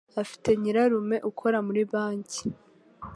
Afite nyirarume ukora muri banki..